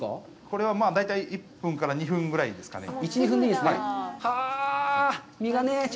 これは大体１分から２分ぐらいですかね。